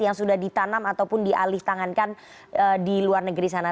yang sudah ditanam ataupun dialih tangankan di luar negeri sana